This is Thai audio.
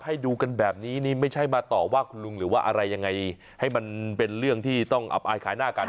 ให้ดูกันแบบนี้นี่ไม่ใช่มาต่อว่าคุณลุงหรือว่าอะไรยังไงให้มันเป็นเรื่องที่ต้องอับอายขายหน้ากัน